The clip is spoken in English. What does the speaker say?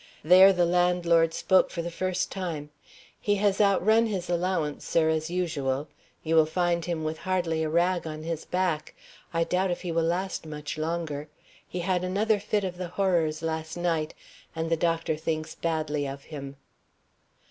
There the landlord spoke for the first time. "He has outrun his allowance, sir, as usual. You will find him with hardly a rag on his back. I doubt if he will last much longer. He had another fit of the horrors last night, and the doctor thinks badly of him."